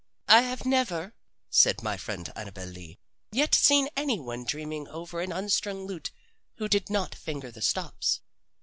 "I have never," said my friend Annabel Lee, "yet seen any one dreaming over an unstrung lute who did not finger the stops."